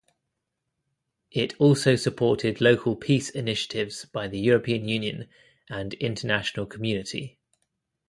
It also supported local peace initiatives by the European Union and international community.